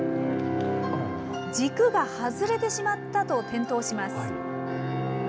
軸が外れてしまったと転倒します。